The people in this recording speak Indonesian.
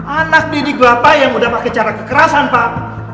anak didik bapak yang udah pakai cara kekerasan pak